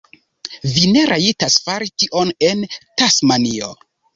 Vi ne rajtas fari tion en Tasmanio.